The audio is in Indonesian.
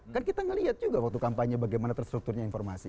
kan kita melihat juga waktu kampanye bagaimana terstrukturnya informasi